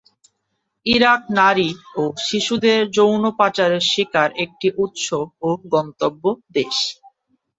Iraq নারী ও শিশুদের যৌন পাচারের শিকার একটি উৎস ও গন্তব্য দেশ।